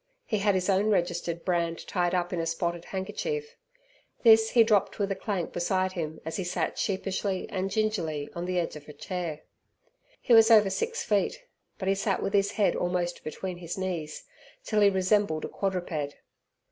He had his own registered brand tied up in a spotted handkerchief. This he dropped with a clank beside him as he sat sheepishly and gingerly on the edge of a chair. He was over six feet, but he sat with his head almost between his knees, till he resembled a quadruped.